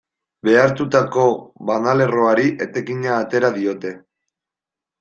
Behartutako banalerroari etekina atera diote.